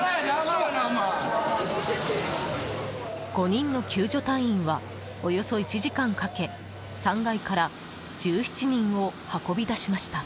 ５人の救助隊員はおよそ１時間かけ３階から１７人を運び出しました。